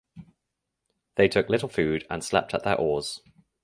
They took little food and slept at their oars.